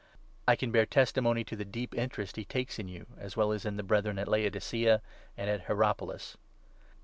I can bear testimony to the deep interest he 13 takes in you, as well as in the Brethren at Laodicea and at Hierapolis.